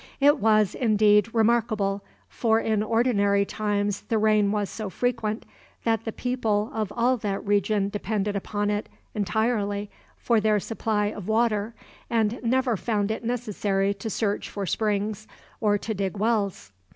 It was, indeed, remarkable, for in ordinary times the rain was so frequent that the people of all that region depended upon it entirely for their supply of water, and never found it necessary to search for springs or to dig wells.